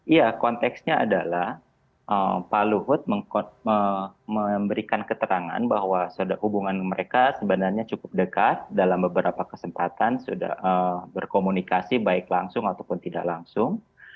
iya konteksnya adalah pak luhut memberikan keterangan bahwa hubungan mereka sebenarnya cukup dekat dalam beberapa kesempatan sudah berkomunikasi baik langsung ataupun tidak langsung